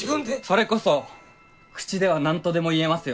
それこそ口では何とでも言えますよ。